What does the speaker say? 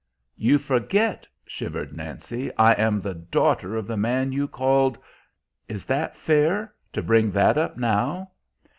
"You forget," shivered Nancy; "I am the daughter of the man you called" "Is that fair to bring that up now?"